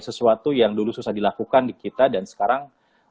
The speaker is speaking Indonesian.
sesuatu yang dulu susah dilakukan di kita dan sekarang